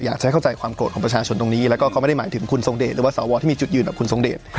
อยากจะให้เข้าใจความโกรธของประชาชนตรงนี้แล้วก็เขาไม่ได้หมายถึงคุณทรงเดชหรือว่าสวที่มีจุดยืนกับคุณทรงเดช